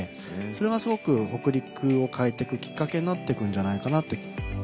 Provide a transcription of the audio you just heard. それがすごく北陸を変えていくきっかけになっていくんじゃないかなって。